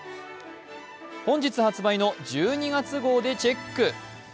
本日発売の１２月号でチェック。